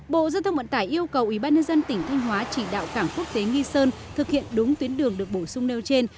bộ dân thông vận tải yêu cầu ủy ban nhân dân tỉnh thanh hóa chỉ đạo cảng quốc tế nghi sơn thực hiện đúng tuyến đường được bổ sung nêu trên